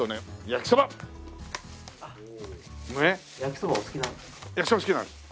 焼きそば好きなんです。